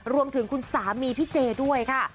รวมถึงคุณสามีพี่เจด้วยค่ะ